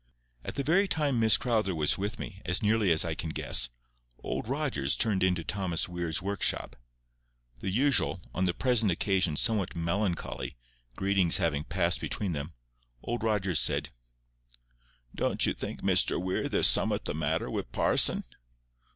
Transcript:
At the very time Miss Crowther was with me, as nearly as I can guess, Old Rogers turned into Thomas Weir's workshop. The usual, on the present occasion somewhat melancholy, greetings having passed between them, Old Rogers said— "Don't you think, Mr Weir, there's summat the matter wi' parson?"